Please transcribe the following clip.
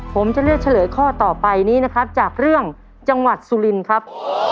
ผมจะเลือกเฉลยข้อต่อไปนี้นะครับจากเรื่องจังหวัดสุรินครับ